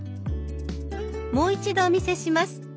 もう一度お見せします。